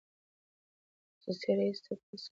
موسسې رییس سګرټ څکوي.